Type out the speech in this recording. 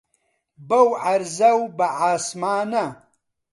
بەو عەرزە و بە عاسمانە